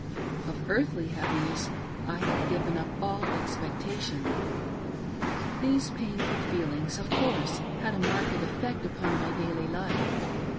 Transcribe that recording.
Of earthly happiness I had given up all expectation. These painful feelings, of course, had a marked effect upon my daily life.